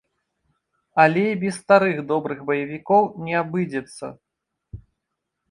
Але і без старых добрых баевікоў не абыдзецца.